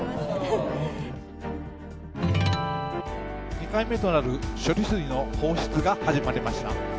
２回目となる処理水の放出が始まりました。